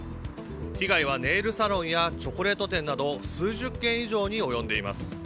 被害はネイルサロンやチョコレート店など数十件以上に及んでいます。